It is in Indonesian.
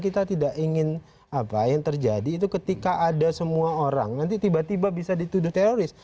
ini mendukung pemberantasan teroris